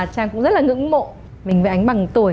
trang cũng rất là ngưỡng mộ mình với ánh bằng tuổi